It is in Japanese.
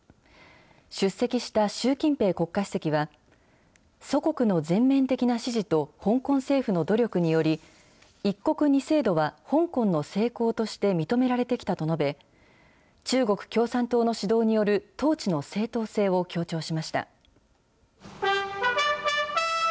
出席した習近平国家主席は、祖国の全面的な支持と香港政府の努力により、一国二制度は香港の成功として認められてきたと述べ、中国共産党の指導による統治の正当性を強調しました。